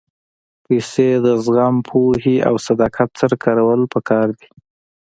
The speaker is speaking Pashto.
پېسې د زغم، پوهې او صداقت سره کارول پکار دي.